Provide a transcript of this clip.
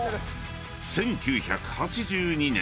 ［１９８２年